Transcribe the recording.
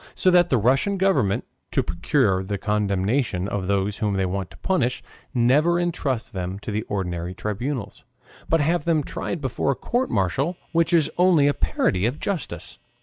So that the Russian Government, to procure the condemnation of those whom they want to punish, never intrust them to the ordinary tribunals, but have them tried before a court martial, which is only a parody of justice.